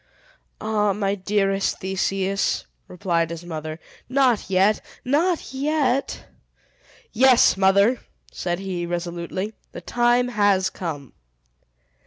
"Ah, my dearest Theseus," replied his mother "not yet! not yet!" "Yes, mother," said he, resolutely, "the time has come!"